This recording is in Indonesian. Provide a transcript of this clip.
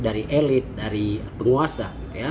dari elit dari penguasa